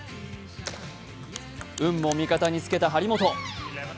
運も味方につけた張本。